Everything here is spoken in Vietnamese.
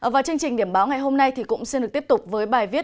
và chương trình điểm báo ngày hôm nay cũng xin được tiếp tục với bài viết